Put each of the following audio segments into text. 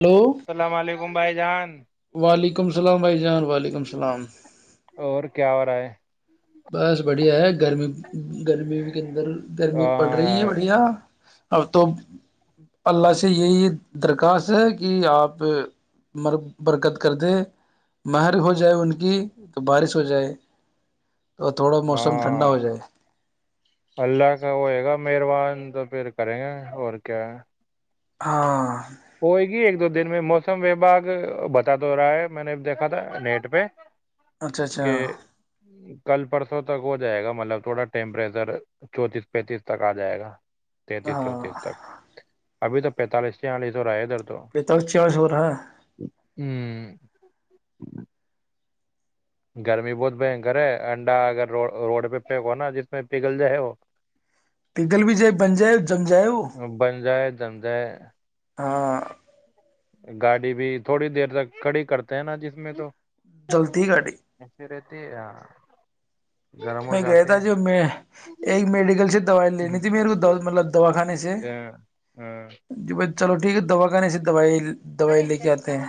Hello اوم بائی جان وعلیکم [inaudible] السلام بھائی جان وعلیکم السلام [inaudible] اور کیا ہو رہا ہے بس بڑھیا ہے گرمی گرمی کےدر گرمی پڑ رہی ہے ہاں بڑھیا [inaudible] اب تو اللہ سے یہی درخواست ہے کہ آپر برکت کر دے مہر ہو جائے ان کی تو بارش ہو جائے [unintelligible] موسم ٹھنڈا ہو ہاں جائے اللہ کا وہ ہے گا [unintelligible] مہربان تو پھر کریں گے اور کیا ہے ہاں وہ ایک دو دن میں موسم وباگ بتا تو رہا ہے میں نے دیکھا تھا نیٹ پہ اچھا اچھا کہ کل پرسوں [unintelligible] تک ہو جائے گا مطلب تھوڑا ٹیمپریچر چونتیس پینتیس تک آ جائے گا تینتیس ہاں چونتیس تک اب تو پینتالس سے آ جو رائے درد یہ تو چس ہو رہا ٹت گرمی بہت بنکر ہے انڈا اگر روڈ پہ پھیکو نا جس میں پگھل جائے وہ پ گل بھی جائے بن جائے جم جائے وہ دندہ ہاں گاڑی بھی تھوڑی دیر تک کھڑی کرتے ہیں نا جس میں تو جلتی گاڑی ای رہ ت آ میں گیا تھا جو میں ایک میڈیکل سے دوائی لینی تھی میرے کو مطلب دوا خانے سے جو میں چلو ٹھیک ہے دوا کاان سے دوائی دوائی لے کے آتے ہیں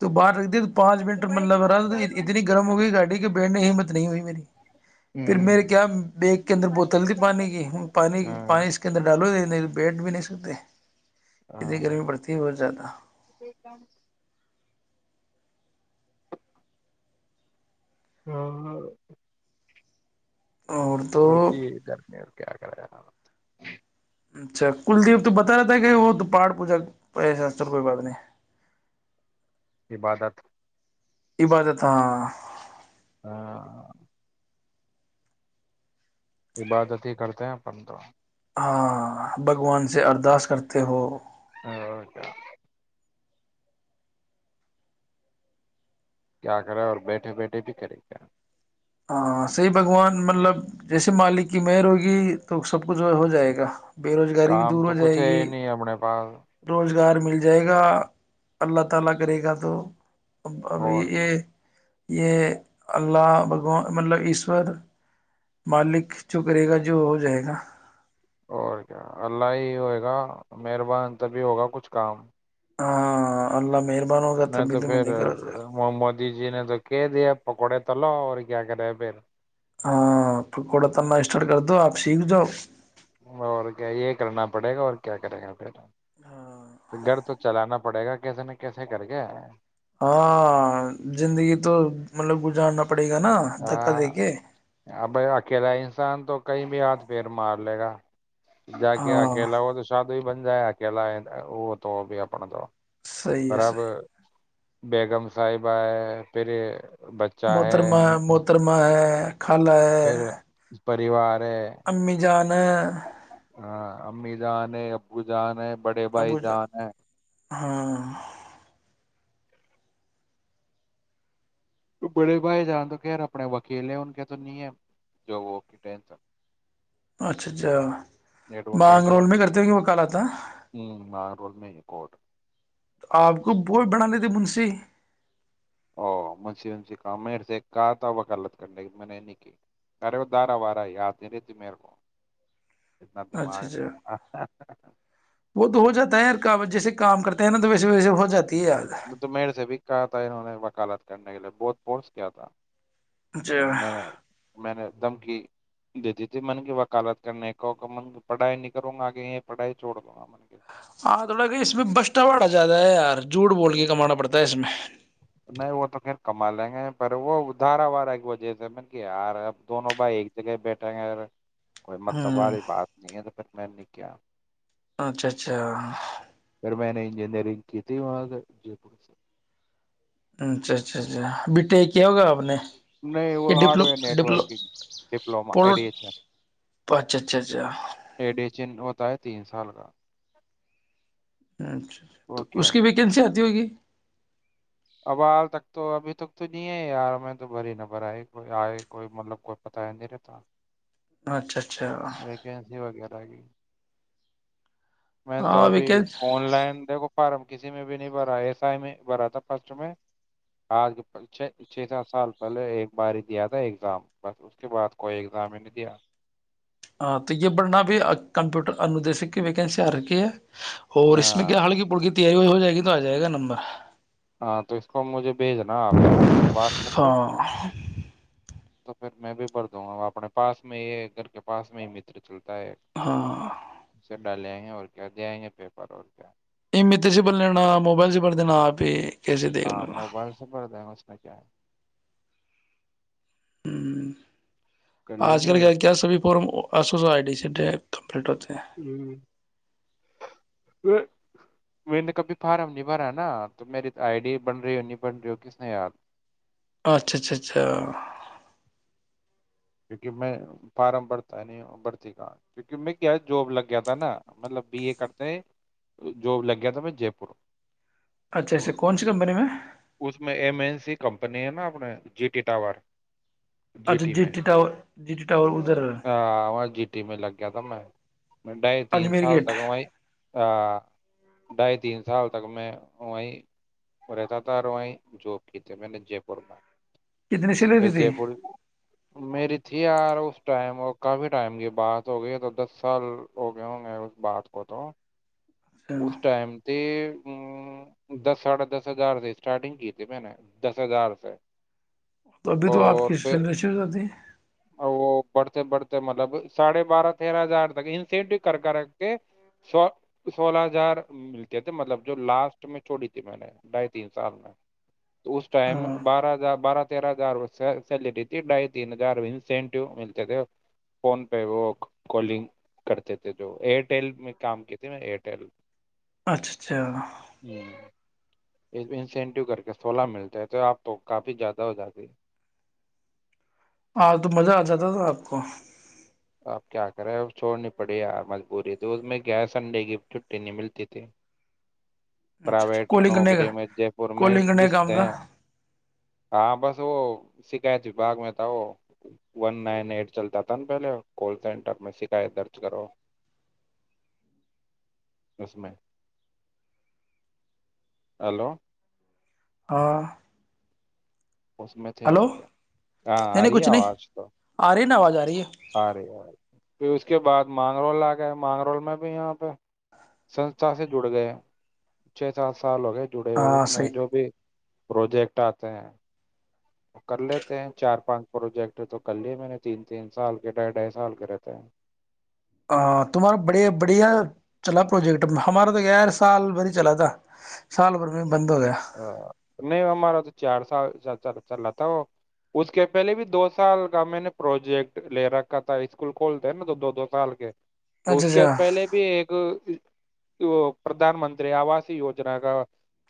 تو باہر رکھ دی تو پانچ منٹ ملہب رہا اتنی گرم ہو گئی گاڑی کے بیٹھنے ہمت نہیں ہوئی میری پھر میرے کیا بیگ کے اندر بوتل تھی پانی کی پانی ہاں پانی اس کے اندر ڈالو نہیں بیٹ بھی نہیں س د اتنی ہاں گرمی پڑتی ہے بہت زیادہ ہاں اور تو پڑتی گھرنے کیا کرا اچھا کلدیپ تو بتا رہتا ہے کہ وہ تو پہاڑ پوجا ایسار کوئی بات نہیں عبادت عبادت ہاں ہاں عبادتی ہی کرتے ہیں پنندرہ ہاں بھگوان سے اردس کرتے ہو اوک کیا کرا اور بیٹھے بیٹھے بھی کرے کیا ہاں سی بگوان مطلب جیسے مالک کی مہر ہوگی تو سب کچھ جو ہے ہو جائے گا بے روزگاری بھی کام دور ہو تو کچھ جائے ہے گی ہی نہیں اپنے پاس رو گار مل جائے گا اللہ تعالی کرے گا تو ا ابھی اور یہ یہ اللہ بک مطلب ایشور مالک جو کرے گا جو ہو جائے گا اور کیا اللہ ہی ہوئے گا مہربان تبھی ہوگا کچھ کام ہاں اللہ م میں تو پھر محمودی جی نے تو کہہ دیا اپ کوڑ تلو اور اک نا پھر ہاں پکوڑا تنا اسٹارٹ کر دو آپ سیکھ جاؤ اور کیا یہ کرنا پڑے گا اور کیا کرے گا پھر ہاں گھر تو چلانا پڑے گا کیسے نہ کیسے کر کے ہاں زندگی تو مطلب گزارنا پڑے گا نا دھکا ہاں دے کے ابائی اکیلا انسان تو کئی بھی ہاتھ پھر مار لے گا جا کے ہاں اکیلا ہو تو شاد بن جائے اکیلا وہ تو بھی اپ جو صحیح ہے صحیح ہے بیگم صاحب ہے پھر بچہ موترم ہے م ا کرر میں خالا ہے پھر پریوار ہے امی جان ہاں امی جان ہے ابو جانا ابو ہاں تو بڑے بھائی جان تو خیر اپنے وکیل ہیں ان کے تو نہیں ہے جو وہ کی ٹینسن اچھا اچھا مانگ ہے رول میں بتائیے کرتے ہو کہ وہ کال آتا ہاں رول میں ہی کوٹ آپ کو بت بنا لیتی مش او منش اننش کہ میر سے کہا تھا وکلت کرنے کی میں نے نہیں کی ارے وہ دارہ وارہ یاتی رہی ت میر کو اتنا دماغ اچھا اچھا نہیں۔ وہ تو ہو جاتا ہے کا و جیسے کام کرتے ہیں نا تو ویسے ویسے ہو جاتی ہے ہ یاد م میڑ سے بھی ک آتا ہو نے و کالت بہت پورس کیا آ تھا اچھا میں نے میں نے ایک دم کی دیتی تھی من کی وکالت کرنے کو پڑھائی نہیں کروں گا آگے یہ پڑھائی چوڑ دوں گا کی ہاں تھوڑا کہ اس میں بسٹا باڑا زیادہ ہے یار جھوٹ بول کے کمانا پڑتا ہے اس میں نہیں وہ تو پھر کما لیں گے پر وہ دھارا وارہ کی وجہ سے م کہ یار اب دونوں بھائی ایک جگہ بیٹھیں گے ی کوئی مطلب ہ والی بات نہیں ہے تو پھر میں کیا اچھا اچھا پھر میں نے انجینئرنگ کی تھی وہاں جے پور سے [unintelligible] اچھا اچھا اچھا بیٹے کیا ہوگا آپ نے نہیں یہ ڈپلو ہارڈر ڈپلو نیٹکگ ڈپ پولو اچھا اچھا اچھا ایڈشنڈ جن ہوتا ہے تین سال کا اچھا تو وہ اس کیا کی تھا ویکینسی آتی ہوگی اب حال تک تو ابھی تک تو نہیں ہے یار میں تو بھر ہی نہبھرئی کوئی آئے کوئی مطلب کوئی پتاہ ہی نہیں رہتا اچھا اچھا ویکینسی [unintelligible] میں نے تو ہاں ابھی ویکین آن لائن دیکھو [unintelligible] فارم کسی میں بھی نہیں بھرا ایس آئی میں بھرا تھا فسٹ میں آج چھ چھ سات سال پہلے ایک بار ہی دیا تھا ایگزام بس اس کے بعد کوئی ایگزام ہی نہیں دیا [unintelligible] ہاں تو یہ بڑھنا بھی کمپیوٹر اندیشک کی ویکنسی آ رہکھی ہے [unintelligible] اور اس میں ہاں کیا ہلکی پڑکی ت [unintelligible] ہو جائے گی تو آ جائے گا نمبر [unintelligible] ہاں تو اس کو مجھے [unintelligible] بھیجنا آپ ہے نا واٹسپ پہ ہاں [inaudible] تو پھر میں بھی بھر دوں گا اپنے پس میں ہی گھر کے پاس میں ہی متر چلتے [unintelligible] ہاں [unintelligible] ڈ لیں گے اور کیا دےئیں گے پیپر اور کیا [inaudible] یہ میتے سے بھر لین موبائل سے بھر دینا آپ ہی [unintelligible] ہاں لینا ہ موبائل سے پڑ دیں اس نے [unintelligible] کیا [inaudible] ہوں کر [inaudible] لیں آج گے کل ہوں، کیا کیا سبھی فورم [unintelligible] اس اس آئی ڈی سی ڈٹر [unintelligible] پلٹو سے [inaudible] میں نے کبھی فارم نہیں بھرا نا تو میری آئی ڈی بن رہی ہو نہیں بن رہی ہو کس نے یاد [unintelligible] اچھا اچھا اچھا [unintelligible] کیونکہ میں فارم بھرتا ہے نہیں بھرتی کا کیونکہ میں کیا جاب لگ گیا تھا نا مطلب بی اے کرتے ہیں جاب لگ گیا تھا میں جے پور [unintelligible] اچھا اچھا کون سی کمپنی میں اس میں ایم این سی [unintelligible] کمپنی ہے نا اپنے جی ٹی ٹا وور [unintelligible] جی ٹی میں [unintelligible] ٹا جی جی ٹاور ادھر [unintelligible] د میں لگ گیا تھا میں مڈائی تین اجمیر سال گیٹ تکائی آ ڈھائی تین سال تک میں وہیں رہتا تھا اور وہیں جو کی تے میں نے جے پور میں کتنی سی پھر لتی تھی جے پور میری تھی یار اس ٹائم اور کافی ٹائم کی بات ہو گئی تو دس سال ہو گئے ہوں گے اس بات کو تو اس اچھا ٹائم [inaudible] دس ساھا دس ہزار سے اسٹارٹنگ کی ت میں نے دس ہزار سے تو ابھی تو آپ اور کی سیل پھر میںشو ہو جاتی ہے وہ بڑھتے بڑھتے مطلب ساڑھے بارہ تیرہ ہزار تک انسٹو کر کر رکھ کے سولہ ہزار ملتے تھے مطلب جو لاسٹ میں چھوڑی تھی میں نے ڈھائی تین سال میں تو اس ٹائم ہاں بارہ ہزار بارہ تیرہ ہزار سیل جی ڈھائی تین ہزار انسینٹیو ملتے تھے فون پہ وہ کالنگ کرتے تھے جو ایئرٹیل میں کام کی تھی ن ایئرٹیل اچھا اچھا [unintelligible] اس انسینٹیو کر کے سولہ ملتے ہیں تو آپ کو کافی زیادہ ہو جاتی ہاں تو مزہ آ جاتا تھا آپ کو اب کیا کرے ا چھوڑنی پڑی یار مجبوری تو اس میں کیا ہے سنڈے کی چھٹی نہیں ملتی تھی اچھا اچھا پرائیویٹ کالنگ کرنے کا نوکری میں جے پور میں کالنگ کرنے کا گستے کام تھا ہیں ہاں بس وہ شکایت وباگ میں تھا وہ ون نائن ایٹ چلتا تھا نا پہلے کال سینٹر میں شکایت درج کرو اس میں ہیلو ہاں اس میں تھ اور ہلو کیا ہاں ہر آوج تو جاری ہے ارےے پھر اس کے بعد مانگرول آ گئے مانگرول میں بھی یہاں پہ سستھا سے جڑ گئے چھ سال سے سال ہوگئے جڑے ہوئے اس ہاں میں صحیح جو بھی پروجیکٹ آتے ہیں کر لیتے ہیں چار پانچ پروجیکٹ تو کر لیا میں نے تین تین سال کے ڈھائی ڈھائی سال کے رہتے ہیں ہ تمہارا بڑے بڑھیا چلا پروجیکٹ ہمارا تو غیر سال بھر ہی چلا تھا سال بھر میں بند ہو گیا ہاں نہیں ہمار تو چار سال چات چال چل رہا تھا وہ اس کے پہلے بھی دو سال کا میں نے پروجیکٹ لے رکھا تھا اسکول کھولتے نا تو دو دو سال کے اچھا اس کے اچھا پہلے بھی ایک پردھان منتری آوس یوجنا کا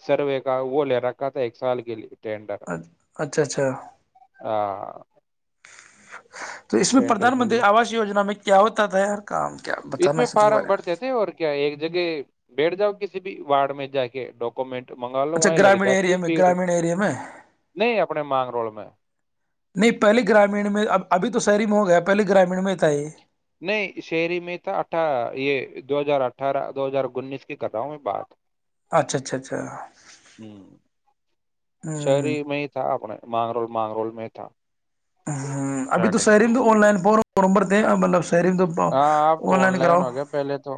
سروے وہ لے رکھا تھا ایک سال کے لیے ٹینڈر اچھ اچھا اچھا ہ ج تو اس میں پردھان مل منتری آواس یجنا میں کیا ہوتا تھا یار کام کیا اس بتانا میں کے فارم بارے میں بڑھتے تھے اور کیا ایک جگہ بیٹھ جاؤ کسی بھی وارڈ میں جا کے ڈاکومنٹ منگا لو اچھا وہیں لگ گرامیین جاتی ہے اییریا میں بھیڑ گرامیین اییریا میں نہیں اپنے مانگ روڈ میں نہیں پہلے گرامیین میں اب ابھی تو شہری محم تو یہ پہے گرامیین میں ہی تھا ہی یہ نہیں شہری میں تھا اٹھ یہ دو ہزار اٹھارہ دو ہزار انیس کی کر رہا ہوں میں بات اچھا اچھا اچھا ہ ہوں ہ شہری میں ہی تھا اپنے مانگ رول مانگ رول میں تھا ہ ابھی تو اسٹارٹنگ شری تو آن لائن پبرتے ہیں مطلب شہرین تو ہاں آپ تو آن لائن ہو گیا پہلے تو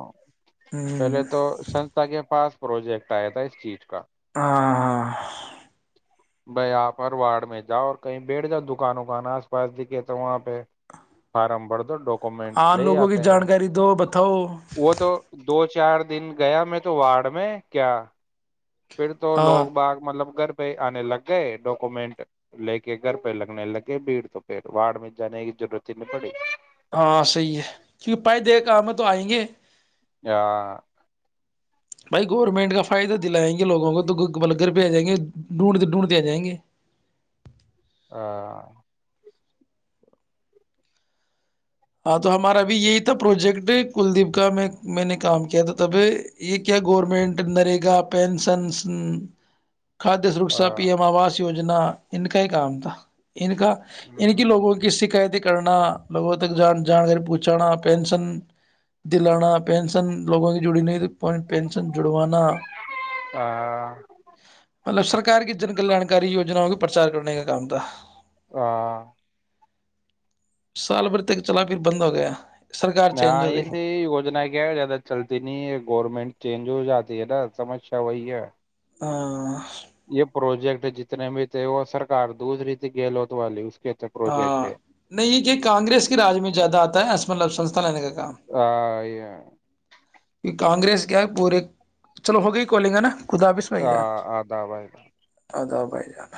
ہ پہلے تو سنستھا کے پاس پروجیکٹ آیا تھا اس چیز کا ہاں ہاں بائی آپر وارڈ میں جاؤ اور کہیں بیٹھ جاؤ دکان وکان آس پاس دکھے تو وہاں پہ فارم بھر ڈاکومنٹ ہاں لے ہی لوگوں کی آتے ہیں وہ جانکاری دو بتاؤ وہ تو دو چی چار دن گیا میں تو وارڈ میں کیا پھر تو ہاں لوگ باغ مطلب گھر پہ آنے لگ گئے ڈاکومنٹ لے کے گھر پہ لگنے لگے بھیڑ تو پھر واڑ میں جانے کی ضرورت ہی نہیں پڑی ہاں صحیح ہے کیونکہ پائی دیک کر میں تو آئیں گے آ بھائی گورنمنٹ کا فائدہ دلائیں گے لوگوں کو تو بل گر پہ آ جائیں گے ڈھونڈتے ڈھونڈتے آ جائیں گے ہ ا تو ہمارا اب یہی تھا پروجیکٹ کلدیپ کا میں میں نے کام کیا تھا تبھی یہ کیا گورنمنٹ نرگا پینسنس کھادیہ سرکشا پی ایم آواس یوجنا ان کا ہی کام تھا ان کا ان کی لوگوں کی شکایتیں کرنا بہت تک جان جانکاری پہنچانا پینشن دلانا پینشن لوگوں کی جڑی نہیں پینشن جڑوانا مطلب سرک کی جن کلان کا سرکاری وجناؤں کا پرچار کرنے کا کام تھا ہ سال بھر تک چلا پھر بند ہو گیا سرکار ہاں چینج ہو گئی ایسے ہی وجنا کیا ہے زیادہ چلتی نہیں ہے گورنمنٹ چینج ہو جاتی ہے نا سمسیا وہی ہے ہاں یہ پروجیکٹ جتنے بھی تھے وہ سرکار دوسری ت گہلوت والی اس کے تھے ہاں پروجیکٹ نہیں یہ کہ کانگریس کے رج میں زیادہ آتا ہے اسملب سنسھا لنے کا کام آ یہ کیونکہ کانگریس کیا ہے پورے چلو ہو گئی ہی کولے گا نا خدبس میں آ جان آداب آداب اد جانا